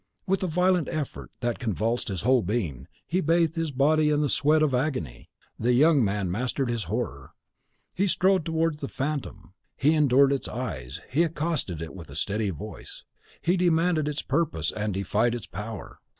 With a violent effort that convulsed his whole being, and bathed his body in the sweat of agony, the young man mastered his horror. He strode towards the phantom; he endured its eyes; he accosted it with a steady voice; he demanded its purpose and defied its power.